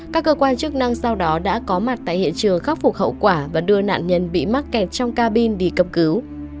các cơ quan chức năng sau đó đã có mặt tại hiện trường khắc phục hậu quả và đưa nạn nhân bị mắc kẹt trong cabin đi cấp cứu